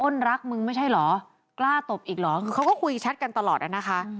รักมึงไม่ใช่เหรอกล้าตบอีกเหรอคือเขาก็คุยแชทกันตลอดอ่ะนะคะ